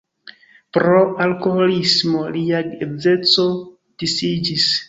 Pro alkoholismo lia geedzeco disiĝis.